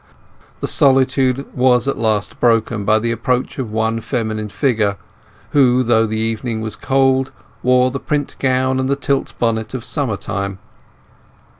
The solitude was at last broken by the approach of one feminine figure, who, though the evening was cold, wore the print gown and the tilt bonnet of summer time.